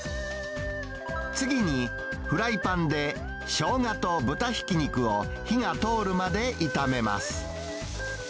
次に、フライパンでショウガと豚ひき肉を、火が通るまで炒めます。